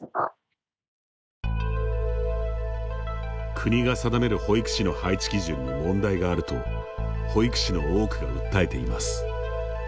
国が定める保育士の配置基準に問題があると保育士の多くが訴えています。